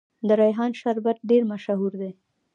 د ریحان شربت ډیر مشهور دی.